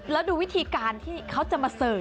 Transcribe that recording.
แล้วดูวิธีการที่เขาจะมาเสิร์ฟ